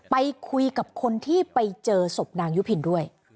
ไปคุยกับคนที่ไปเจอศพนางยุพินด้วย